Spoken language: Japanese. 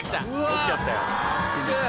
持っちゃったよ。